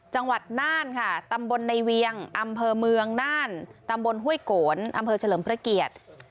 น่านค่ะตำบลในเวียงอำเภอเมืองน่านตำบลห้วยโกนอำเภอเฉลิมพระเกียรติ